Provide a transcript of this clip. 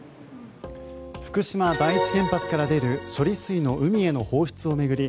福島第一原発から出る処理水の海への放出を巡り